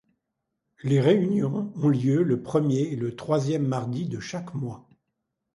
Les réunions ont lieu le premier et le troisième mardi de chaque mois.